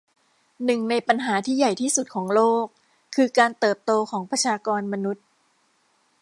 หนึ่งในปัญหาที่ใหญ่ที่สุดของโลกคือการเติบโตของประชากรมนุษย์